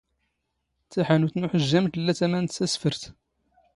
ⵜⴰⵃⴰⵏⵓⵜ ⵏ ⵓⵃⵊⵊⴰⵎ ⵜⵍⵍⴰ ⵜⴰⵎⴰ ⵏ ⵜⵙⴰⵙⴼⵔⵜ.